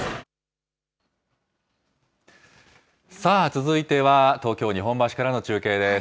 続いては東京・日本橋からの中継です。